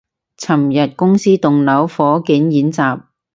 尋日公司棟樓火警演習